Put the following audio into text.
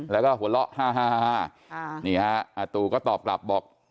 แล้วก็หัวเราะฮ่านี่ฮะอาตูก็ตอบกลับบอก